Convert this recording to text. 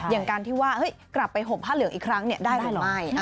อย่างการที่ว่ากลับไปห่มผ้าเหลืองอีกครั้งได้หรือไม่